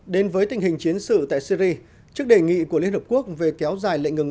đến với tình hình chiến sự tại syri trước đề nghị của liên hợp quốc về kéo dài lệnh ngừng